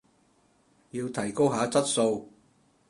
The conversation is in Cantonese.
要提高下質素